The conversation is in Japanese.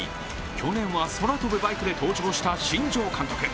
去年は空飛ぶバイクで登場した新庄監督。